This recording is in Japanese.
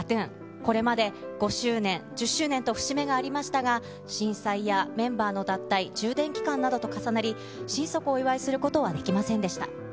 これまで５周年、１０周年と節目がありましたが、震災やメンバーの脱退、充電期間などと重なり、心底お祝いすることはできませんでした。